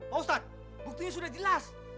pak ustadz buktinya sudah jelas